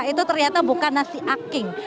itu ternyata bukan nasi aking